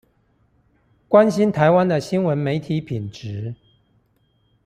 關心台灣的新聞媒體品質